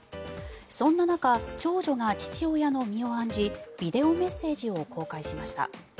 そんな中、長女が父親の身を案じビデオメッセージを公開しました。